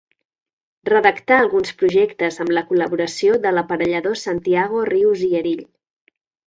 Redactà alguns projectes amb la col·laboració de l'aparellador Santiago Rius i Erill.